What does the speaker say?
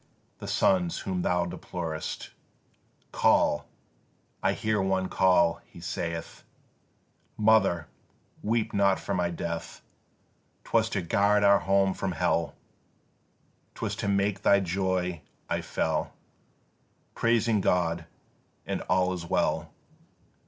the sons whom thou deplorest Call I hear one call; he saith: "Mother, weep not for my death: 'Twas to guard our home from hell, 'Twas to make thy joy I fell Praising God, and all is well.